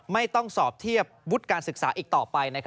ไม่ต้องสอบเทียบวุฒิการศึกษาอีกต่อไป